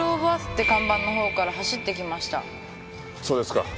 そうですか。